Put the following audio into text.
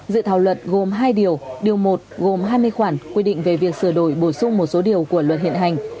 dự thảo luật gồm hai điều điều một gồm hai mươi khoản quy định về việc sửa đổi bổ sung một số điều của luật hiện hành